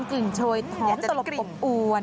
จิ่งโชยธอมตลบอบอ้วน